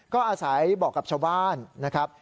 ก็อาศัยบอกกับชาวบ้านนะครับ